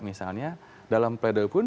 misalnya dalam pledo pun